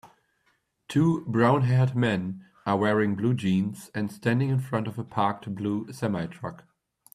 Two brownhaired men are wearing blue jeans and standing in front of a parked blue semitruck.